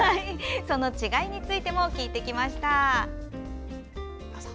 その違いについても聞いてきました。